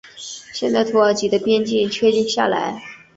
现代土耳其的边境确定下来。